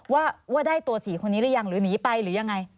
ว่าได้ตัว๔คนนี้หรือยังหรือหนีไปหรือยังไง